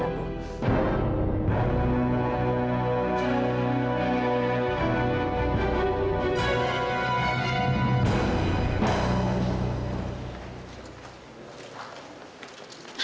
saya pengen menjaganya